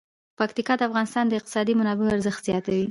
پکتیا د افغانستان د اقتصادي منابعو ارزښت زیاتوي.